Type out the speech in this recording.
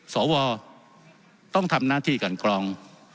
สวต้องทำหน้าที่กันกรอง